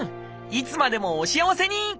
いつまでもお幸せに！